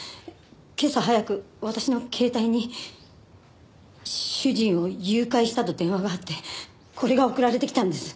今朝早く私の携帯に主人を誘拐したと電話があってこれが送られてきたんです。